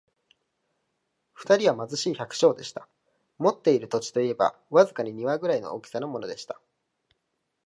二人は貧しい百姓でした。持っている土地といえば、わずかに庭ぐらいの大きさのものでした。